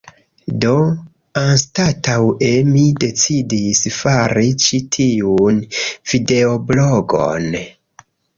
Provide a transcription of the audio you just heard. Do, anstataŭe mi decidis fari ĉi tiun videoblogon